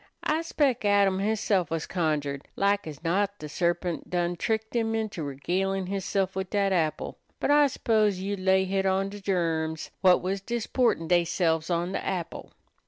I 'spec' Adam hisself was conjured. Lak as not de sarpint done tricked him into regalin' hisself wid dat apple. But I s'pose you'd lay hit on de germs whut was disportin' deyselves on de apple.